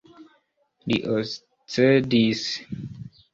Li oscedis.